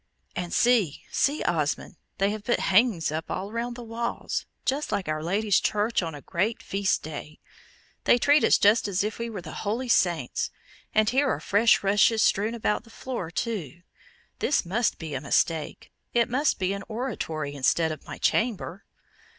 "And see! see, Osmond! they have put hangings up all round the walls, just like our Lady's church on a great feast day. They treat us just as if we were the holy saints; and here are fresh rushes strewn about the floor, too. This must be a mistake it must be an oratory, instead of my chamber."